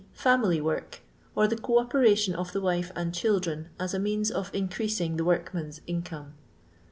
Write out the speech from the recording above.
Family work ; or the co operation of the wife and children as a means of increasing the workman's income.